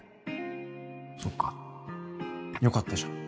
そっかよかったじゃん